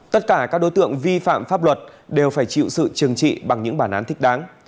tất cả các đối tượng vi phạm pháp luật đều phải chịu sự trừng trị bằng những bản án thích đáng